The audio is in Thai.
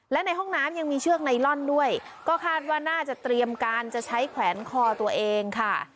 และในห้องน้ำยังมีเชือกไนลอนด้วยก็คาดว่าน่าจะเตรียมการจะใช้แขวนคอตัวเองค่ะ